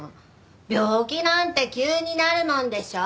病気なんて急になるもんでしょ？